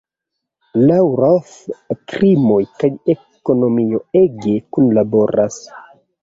Laŭ Roth krimoj kaj ekonomio ege kunlaboras.